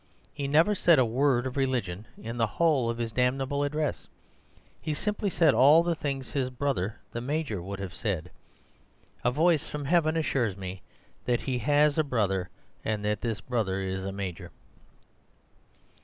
He never said a word of religion in the whole of his damnable address. He simply said all the things his brother, the major, would have said. A voice from heaven assures me that he has a brother, and that this brother is a major.